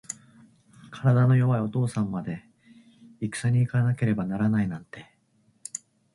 体の弱いお父さんまで、いくさに行かなければならないなんて。